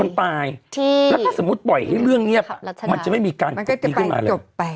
แล้วถ้าสมมุติปล่อยให้เรื่องเงียบมันจะไม่มีการติดตีขึ้นมาเลย